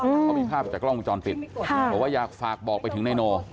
เขามีภาพจากกล้องวงจรปิดบอกว่าอยากฝากบอกไปถึงนายโน